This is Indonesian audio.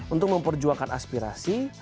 untuk memperjuangkan aspirasi